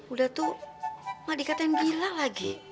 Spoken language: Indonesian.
udah tuh emak dikatain gila lagi